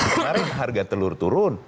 kemarin harga telur turun